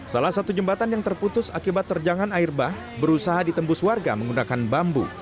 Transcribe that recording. salah satu jembatan yang terputus akibat terjangan air bah berusaha ditembus warga menggunakan bambu